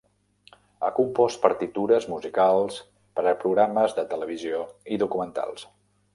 Ha compost partitures musicals per a programes de televisió i documentals.